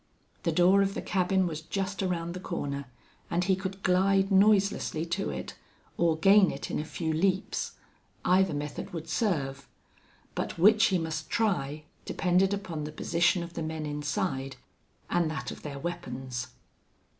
The door of the cabin was just around the corner, and he could glide noiselessly to it or gain it in a few leaps. Either method would serve. But which he must try depended upon the position of the men inside and that of their weapons.